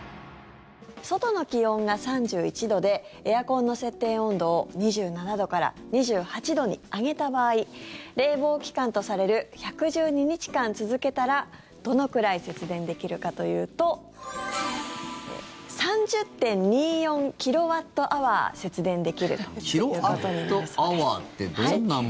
外の気温が３１度でエアコンの設定温度を２７度から２８度に上げた場合冷房期間とされる１１２日間続けたらどのくらい節電できるかというと３０．２４キロワットアワー節電できるということになるそうです。